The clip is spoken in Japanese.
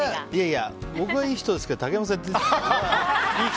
僕はいい人ですけど俺、やるよ。